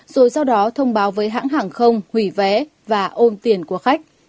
rồi sau đó thông báo với hãng hàng không hủy vé và ôm tiền của khách